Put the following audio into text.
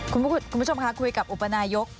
คุณผู้ชมค่ะคุยกับอุปนายก